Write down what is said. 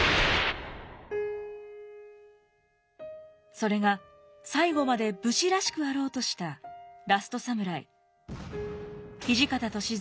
それが最後まで武士らしくあろうとしたラストサムライ土方歳三